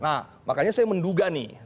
nah makanya saya menduga nih